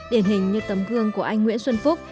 điển hình như tấm gương của anh nguyễn xuân phúc